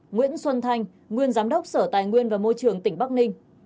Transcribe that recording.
nguyễn xuân thanh nguyên giám đốc sở tài nguyên và môi trường tỉnh bắc ninh